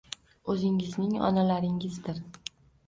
o'zingizning onalaringizdir.